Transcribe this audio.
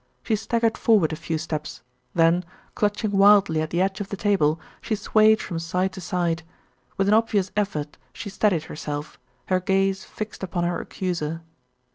She staggered forward a few steps, then, clutching wildly at the edge of the table, she swayed from side to side. With an obvious effort she steadied herself, her gaze fixed upon her accuser.